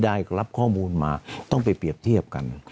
ได้รับข้อมูลมาต้องไปเปรียบเทียบกัน